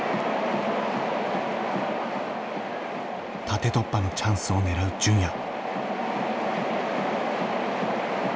縦突破のチャンスを狙う純也。